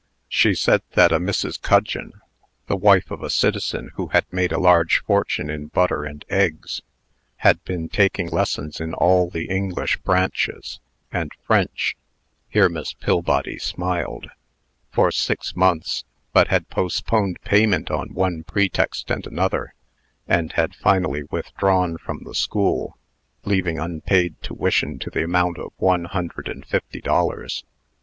She said that a Mrs. Cudgeon, the wife of a citizen who had made a large fortune in butter and eggs, had been taking lessons in all the English branches, and French (here Miss Pillbody smiled), for six months, but had postponed payment on one pretext and another, and had finally withdrawn from the school, leaving unpaid tuition to the amount of one hundred and fifty dollars.